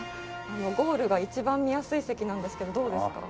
ゴールが一番見やすい席なんですけどどうですか？